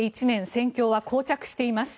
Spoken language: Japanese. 戦況はこう着しています。